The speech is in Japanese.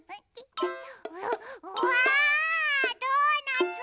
うわドーナツ！